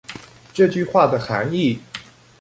這句話的含義